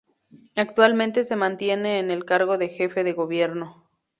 Actualmente se mantiene en el cargo de jefe de gobierno.